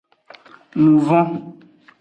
Nuvon.